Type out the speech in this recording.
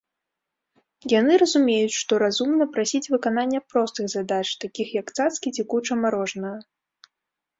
Яны разумеюць, што разумна прасіць выканання простых задач, такіх як цацкі ці куча марожанага.